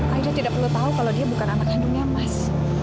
akhirnya tidak perlu tahu kalau dia bukan anak kandungnya mas